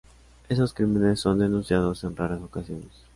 Estos crímenes son denunciados en raras ocasiones.